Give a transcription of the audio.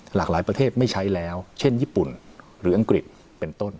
หลากหลายประเทศไม่ใช้แล้วเช่นญี่ปุ่นหรืออังกฤษเป็นต้น